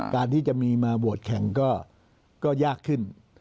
การที่จะมีมาโหวตแข่งก็ยากขึ้น